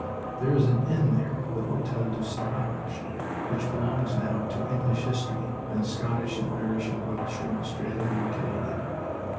There is an inn there the Hotel du Sauvage which belongs now to English history, and Scottish and Irish and Welsh and Australian and Canadian.